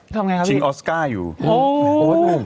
ทำไงครับพี่ชิงออสการ์อยู่โอ้โฮ